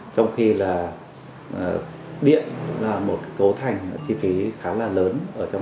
trong khi điện subscribe là một cấu thành là một chi phí khá là lớn